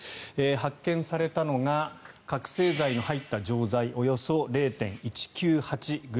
発見されたのが覚醒剤の入った錠剤およそ０．１９８ｇ。